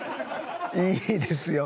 いいですよ。